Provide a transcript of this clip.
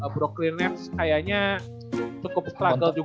brooklyn nets kayaknya cukup struggle juga